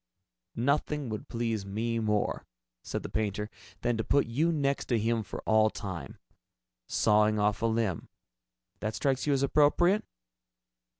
"Nothing would please me more," said the painter, "than to put you next to him for all time. Sawing off a limb that strikes you as appropriate?"